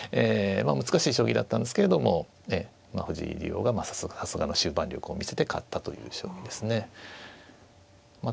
まあ難しい将棋だったんですけれども藤井竜王がさすがの終盤力を見せて勝ったという将棋ですね。